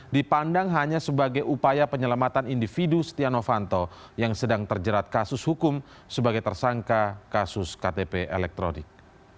dipandang hanya sebagai upaya penyelamatan individu stiano fanto yang sedang terjerat kasus hukum sebagai tersangka kasus ktp elektronik